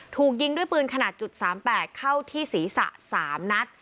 ถูกยิงด้วยปืนขนาด๓๘เข้าที่ศีรษะ๓นัด